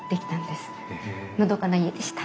のどかな家でした。